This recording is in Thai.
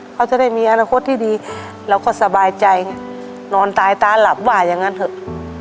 เขาจะได้มีอาระกดที่ดีแล้วก็สบายใจไงนอนตายตาหลับหว่ายังงั้นเถอะ